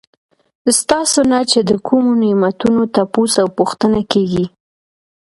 ستاسو نه چې د کومو نعمتونو تپوس او پوښتنه کيږي